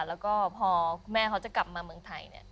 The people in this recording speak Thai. แล้วก็พอคุณแม่เขาจะกลับมาเมืองไทยเนี่ย